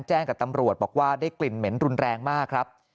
แจ้งกับตำรวจบอกว่าได้กลิ่นเหม็นรุนแรงมากครับ